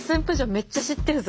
めっちゃ知ってるぞ。